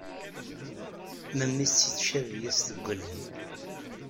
Memmi-s yettcabi-as deg wallen.